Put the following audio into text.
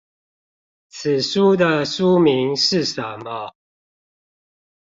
此書的書名是什麼？